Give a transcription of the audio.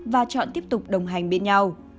và lựa chọn tiếp tục đồng hành bên nhau